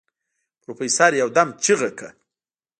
پروفيسر يودم چيغه کړه.